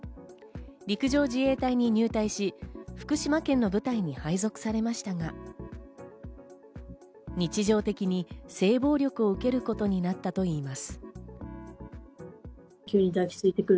陸上自衛隊に入隊し、福島県の部隊に配属されましたが、日常的に性暴力を受けることになったといいます。